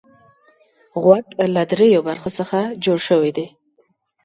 غوږ له دریو برخو څخه جوړ شوی دی.